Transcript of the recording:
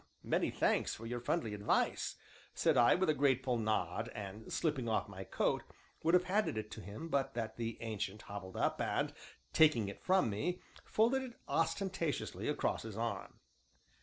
"Many thanks for your friendly advice," said I, with a grateful nod and, slipping off my coat, would have handed it to him but that the Ancient hobbled up, and, taking it from me, folded it ostentatiously across his arm.